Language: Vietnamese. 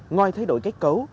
ngoài thay đổi kết cấu